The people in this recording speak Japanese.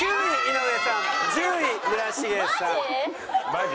マジ？